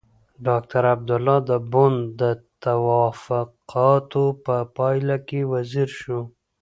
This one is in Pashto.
ډاکټر عبدالله د بن د توافقاتو په پايله کې وزیر شو.